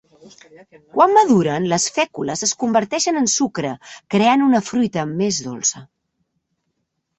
Quan maduren, les fècules es converteixen en sucre creant una fruita més dolça.